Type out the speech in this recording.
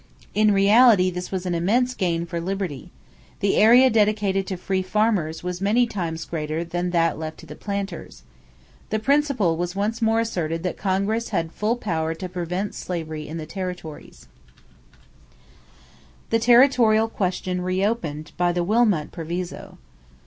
In reality this was an immense gain for liberty. The area dedicated to free farmers was many times greater than that left to the planters. The principle was once more asserted that Congress had full power to prevent slavery in the territories. [Illustration: THE MISSOURI COMPROMISE] =The Territorial Question Reopened by the Wilmot Proviso.